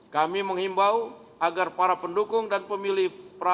kami menghimbau agar para pendukung dan pemilih prabowo